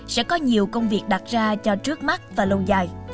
sẽ có nhiều công việc đặt ra cho trước mắt và lâu dài